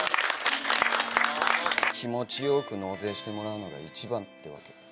気持ち良く納税してもらうのが一番ってわけ。